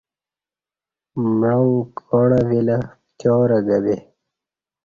معانگ کاݨہ ویلہ پتیارہ گہ یے